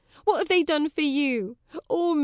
What have they done for you, or me?